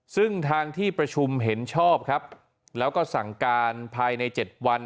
ซึ่งทางที่ประชุมเห็นชอบครับแล้วก็สั่งการภายใน๗วัน